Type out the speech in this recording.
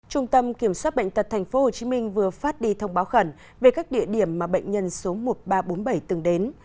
trung tâm kiểm soát bệnh tật tp hcm vừa phát đi thông báo khẩn về các địa điểm mà bệnh nhân số một nghìn ba trăm bốn mươi bảy từng đến